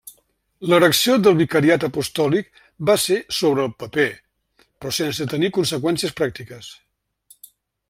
L'erecció del vicariat apostòlic va ser sobre el paper, però sense tenir conseqüències pràctiques.